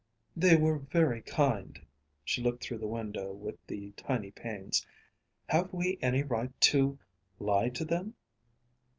"They were very kind" she looked through the window with the tiny panes: "have we any right to lie to them?"